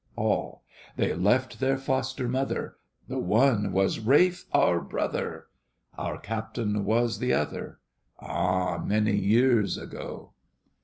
ALL. They left their foster mother, The one was Ralph, our brother, Our captain was the other, A many years ago.